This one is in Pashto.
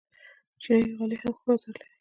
چینايي غالۍ هم ښه بازار لري.